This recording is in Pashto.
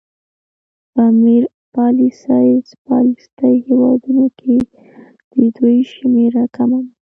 په امپریالیستي هېوادونو کې د دوی شمېره کمه ده